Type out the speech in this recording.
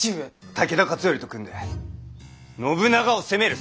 武田勝頼と組んで信長を攻める！